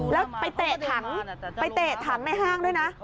แล้วไปเตะถังในห้างด้วยนะ